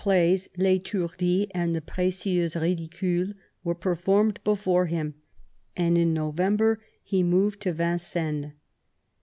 plays UEtourdi and the Prdcieuses ridicules were per formed before him, and in November he moved to Vincennes.